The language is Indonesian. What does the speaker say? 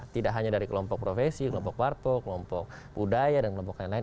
tidak hanya dari kelompok profesi kelompok warto kelompok budaya dan kelompok lain lain